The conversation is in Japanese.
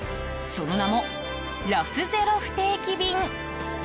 その名もロスゼロ不定期便。